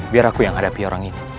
biar aku yang hadapi orang ini